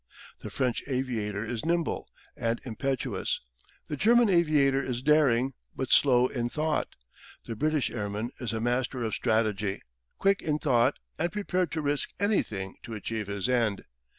The French aviator is nimble, and impetuous: the German aviator is daring, but slow in thought: the British airman is a master of strategy, quick in thought, and prepared to risk anything to achieve his end.